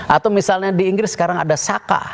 atau misalnya di inggris sekarang ada saka